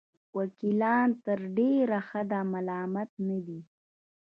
وکیلان تر ډېره حده ملامت نه دي.